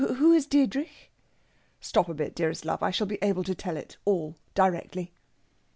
Who is Diedrich?" "Stop a bit, dearest love! I shall be able to tell it all directly."